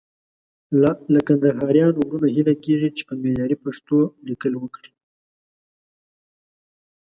له کندهاريانو وروڼو هيله کېږي چې په معياري پښتو ليکل وکړي.